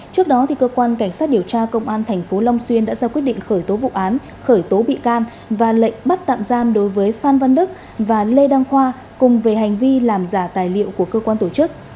trước đó cơ quan cảnh sát điều tra công an tp long xuyên đã ra quyết định khởi tố vụ án khởi tố bị can và lệnh bắt tạm giam đối với phan văn đức và lê đăng khoa cùng về hành vi làm giả tài liệu của cơ quan tổ chức